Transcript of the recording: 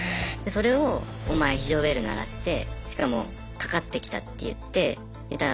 それをお前非常ベル鳴らしてしかもかかってきたって言ってもう懲罰行きなんですよ。